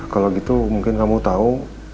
kalau gitu mungkin kamu tahu